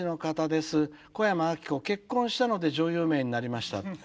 結婚したので女優名になりました。